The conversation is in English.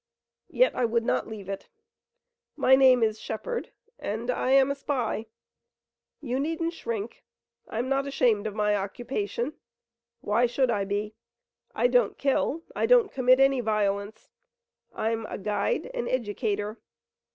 Yet, I would not leave it. My name is Shepard, and I am a spy. You needn't shrink. I'm not ashamed of my occupation. Why should I be? I don't kill. I don't commit any violence. I'm a guide and educator.